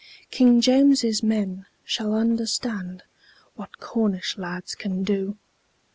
King James's men shall understand What Cornish lads can do!